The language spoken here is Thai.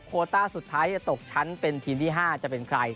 โคต้าสุดท้ายจะตกชั้นเป็นทีมที่๕จะเป็นใคร